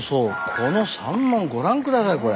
この山門ご覧下さいこれ。